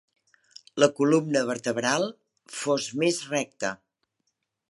La columna vertebral fos més recte.